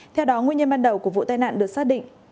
theo đó nguyên nhân ban đầu của vụ tai nạn được xác định